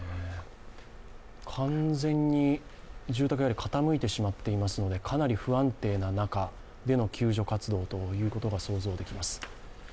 完全に住宅、傾いてしまっているのでかなり不安定な中での救助活動ということが想定できます。